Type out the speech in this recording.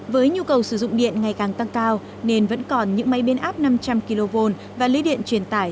với nhu cầu sử dụng điện ngày càng tăng cao nên vẫn còn những máy biến áp năm trăm linh kv và lưới điện truyền tải